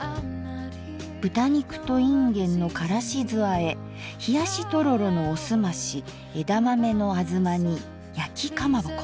「豚肉といんげんのからし酢あえ」「ひやしとろろのおすまし」「枝豆のあづま煮」「やきかまぼこ」。